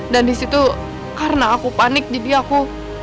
dan disitu karena aku panik jadi aku